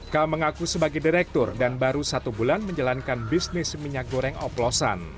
k mengaku sebagai direktur dan baru satu bulan menjalankan bisnis minyak goreng oplosan